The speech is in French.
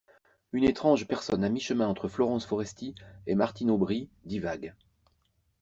Une étrange personne à mi-chemin entre Florence Foresti et Martine Aubry divague.